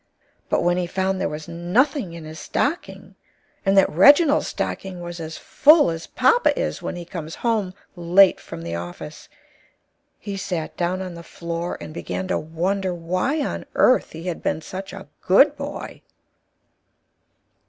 But when he found there was Nothing in his stocking and that Reginald's Stocking was as Full as Papa Is when he comes home Late from the Office, he Sat down on the Floor and began to Wonder why on Earth he had Been such a Good boy.